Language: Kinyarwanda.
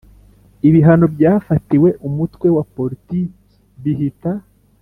Ibihano byafatiwe umutwe wa politiki bihita